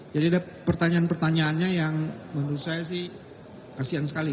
jadi ada pertanyaan pertanyaannya yang menurut saya sih kasihan sekali